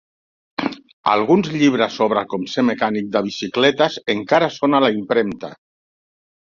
Alguns llibres sobre com ser mecànic de bicicletes encara són a la impremta.